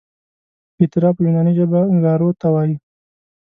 پیترا په یوناني ژبه ګارو ته وایي.